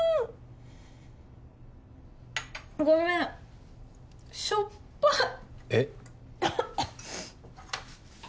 ごめんしょっぱいえっ？